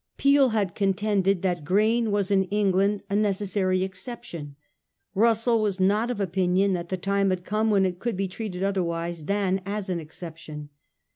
Peel had contended that grain was in England a ne cessary exception ; Russell was not of opinion that the time had come when it could be treated otherwise than as an exception.